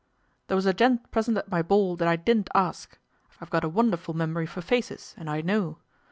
'There was a gent present at my ball that I didn't ask. I've got a wonderful memory for faces, and I know.